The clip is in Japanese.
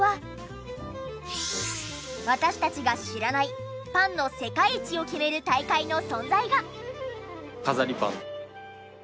私たちが知らないパンの世界一を決める大会の存在が。